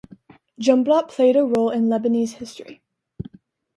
Jumblatt played a role in Lebanese history.